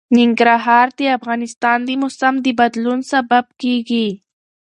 ننګرهار د افغانستان د موسم د بدلون سبب کېږي.